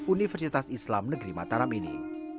universitas islam negeri mataram ini